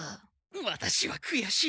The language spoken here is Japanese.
ワタシはくやしい。